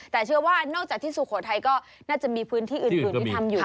แต่เชื่อว่านอกจากที่สุโขทัยก็น่าจะมีพื้นที่อื่นที่ทำอยู่